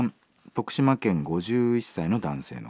徳島県５１歳の男性の方。